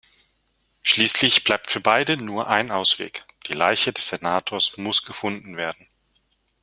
Schließlich bleibt für beide nur ein Ausweg: Die Leiche des Senators muss gefunden werden.